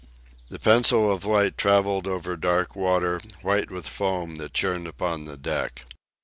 The pencil of light travelled over dark water, white with foam, that churned upon the deck.